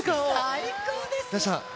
最高ですね。